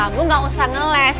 kamu nggak usah ngeles